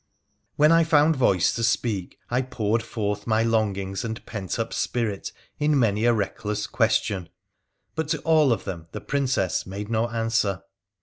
When I found voice to speak I poured forth my longings and pent up spirit in many a reckless question, but to all of them the Princess made no answer.